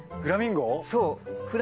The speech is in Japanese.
そう。